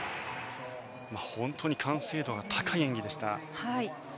本当に完成度が高い演技でした。